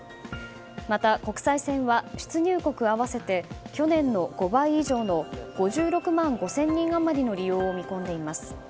また国際線は出入国合わせて去年の５倍以上の５６万５０００人余りの利用を見込んでいます。